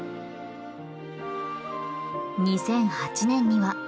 ２００８年には。